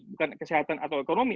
bukan kesehatan atau ekonomi